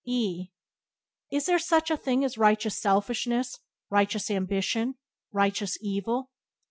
E Is there such a thing as righteous selfishness, righteous ambition, righteous evil?